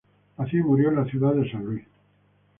Nació y murió en la Ciudad de San Luis.